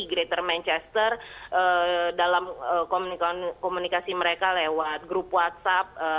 greator manchester dalam komunikasi mereka lewat grup whatsapp